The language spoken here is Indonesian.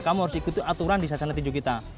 kamu harus ikuti aturan di sasana tinju kita